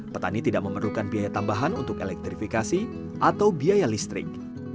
petani tidak memerlukan biaya tambahan untuk elektrifikasi atau biaya listrik